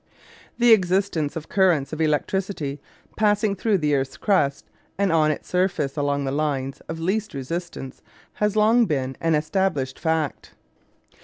The existence of currents of electricity passing through the earth's crust and on its surface along the lines of least resistance has long been an established fact.